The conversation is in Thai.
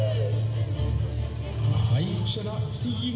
สวัสดีครับทุกคน